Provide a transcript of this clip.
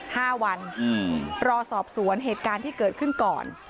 ห้าวันอืมรอสอบสวนเหตุการณ์ที่เกิดขึ้นก่อน